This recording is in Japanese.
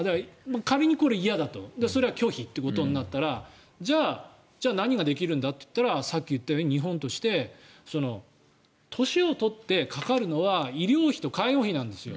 仮にこれが嫌だと拒否となったらじゃあ何ができるんだと言ったらさっき言ったように日本として年を取ってかかるのは医療費と介護費なんですよ